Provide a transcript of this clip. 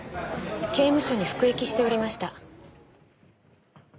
刑務所に服役しておりました。